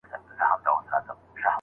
ملا سړی شو اوس پر لاره د آدم راغی